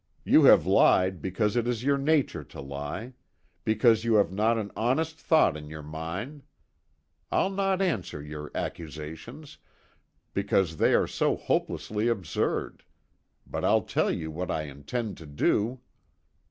"You have lied because it is your nature to lie, because you have not an honest thought in your mind. I'll not answer your accusations, because they are so hopelessly absurd; but I'll tell you what I intend to do."